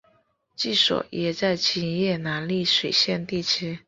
治所约在今越南丽水县地区。